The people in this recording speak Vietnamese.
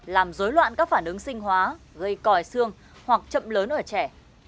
làm dối loạn các phản ứng sinh hóa gây còi xương hoặc chậm lớn ở trẻ